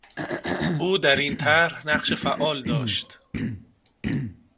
او در این طرح نقش فعال داشت.